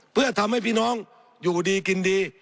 เพื่อทำให้พี่น้องอยู่ดีกินดี